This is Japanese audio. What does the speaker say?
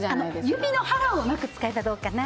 指の腹をうまく使えばどうかな。